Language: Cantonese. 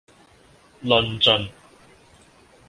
論盡